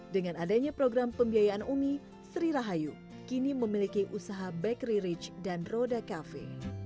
dengan adanya program pembiayaan umi sri rahayu kini memiliki usaha bakery rich dan roda kafe